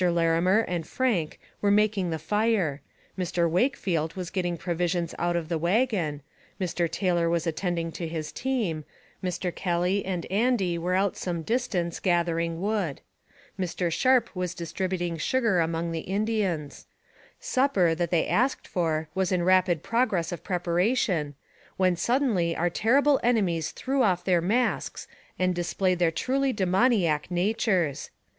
25 Larimer and Frank were making the fire ; Mr. Wake field was getting provisions out of the wagon ; Mr. Taylor was attending to his team ; Mr. Kelly and Andy were out some distance gathering wood ; Mr. Sharp was distributing sugar among the Indians ; sup per, that they asked for, was in rapid progress of prep aration, when suddenly our terrible enemies threw off their masks and displayed their truly demoniac na tures.